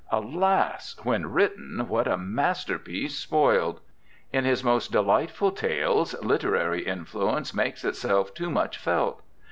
Alas! when written, what a masterpiece spoiled. In his most delightful tales literary influence makes itself too much felt.